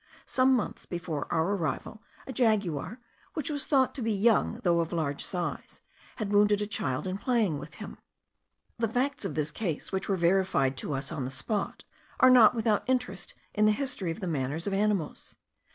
Some months before our arrival, a jaguar, which was thought to be young, though of a large size, had wounded a child in playing with him. The facts of this case, which were verified to us on the spot, are not without interest in the history of the manners of animals.